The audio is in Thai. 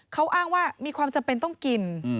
เขาอ้างว่ามีความจำเป็นต้องกิน